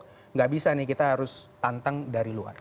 tidak bisa nih kita harus tantang dari luar